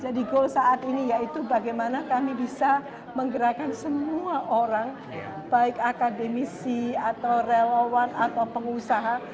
jadi goal saat ini yaitu bagaimana kami bisa menggerakkan semua orang baik akademisi atau relawan atau pengusaha